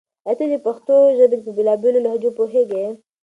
آیا ته د پښتو ژبې په بېلا بېلو لهجو پوهېږې؟